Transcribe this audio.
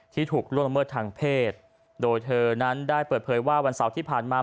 ถูกล่วงละเมิดทางเพศโดยเธอนั้นได้เปิดเผยว่าวันเสาร์ที่ผ่านมา